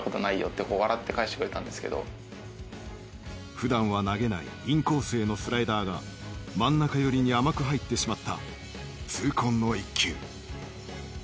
普段は投げないインコースへのスライダーが真ん中寄りに甘く入ってしまった痛恨の一球。